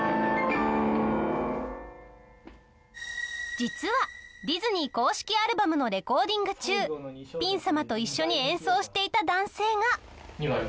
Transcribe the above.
実はディズニー公式アルバムのレコーディング中ピン様と一緒に演奏していた男性が。